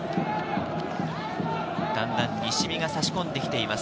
だんだん西日が差し込んできています。